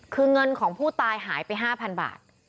คือเงินของผู้ตายหายไป๕๐๐บาท